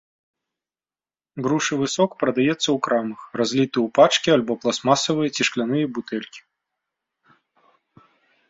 Грушавы сок прадаецца ў крамах разліты ў пачкі або пластмасавыя ці шкляныя бутэлькі.